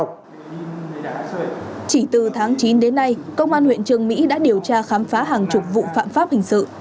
chỉ từ tháng chín đến nay công an huyện trường mỹ đã điều tra khám phá hàng chục vụ phạm pháp hình sự